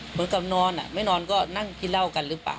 เหมือนกับนอนไม่นอนก็นั่งกินเหล้ากันหรือเปล่า